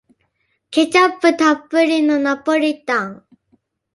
ケチャップたっぷりのナポリタン